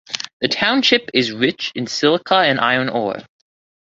The township is rich in silica and iron ore.